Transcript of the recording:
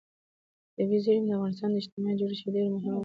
طبیعي زیرمې د افغانستان د اجتماعي جوړښت یوه ډېره مهمه او اساسي برخه ده.